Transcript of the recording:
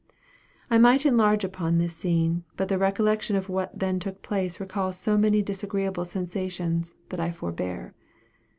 I might enlarge upon this scene, but the recollection of what then took place recalls so many disagreeable sensations, that I forbear.